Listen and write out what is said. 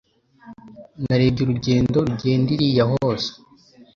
Narebye urugendo rugenda iriya hose